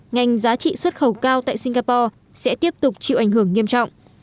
ngành giá trị xuất khẩu cao tại singapore sẽ tiếp tục chịu ảnh hưởng nghiêm trọng